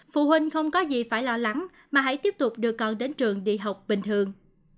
phụ huynh không có gì phải lo lắng mà hãy tiếp tục đưa con đến trường đi học bình thường